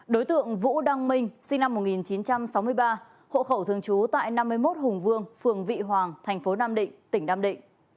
đối tượng vũ đăng minh sinh năm một nghìn chín trăm sáu mươi ba hộ khẩu thường trú tại năm mươi một hùng vương phường vị hoàng thành phố nam định tỉnh nam định